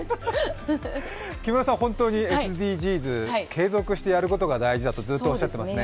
木村さんは本当にＳＤＧｓ、継続してやることが大事だとずっとおっしゃってますね。